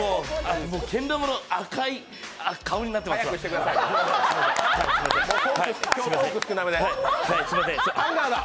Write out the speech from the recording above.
けん玉の赤い顔になってますから。